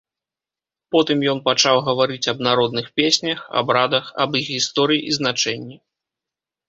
Потым ён пачаў гаварыць аб народных песнях, абрадах, аб іх гісторыі і значэнні.